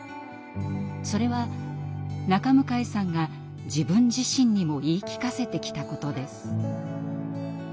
それは中迎さんが自分自身にも言い聞かせてきたことです。